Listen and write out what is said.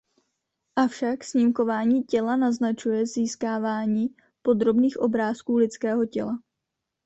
Avšak snímkování těla naznačuje získávání podrobných obrázků lidského těla.